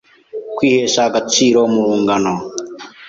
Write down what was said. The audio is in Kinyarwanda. Kwihesha agaciro muru ngano